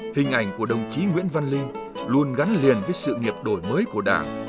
hình ảnh của đồng chí nguyễn văn linh luôn gắn liền với sự nghiệp đổi mới của đảng